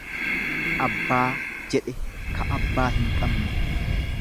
Abbaa jedhe ka abbaa hin qabne.